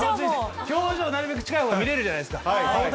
表情、なるべく近いほうが近いほうが見れるじゃないですか。